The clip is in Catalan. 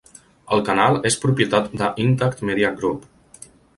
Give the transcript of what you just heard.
El canal és propietat de Intact Media Group.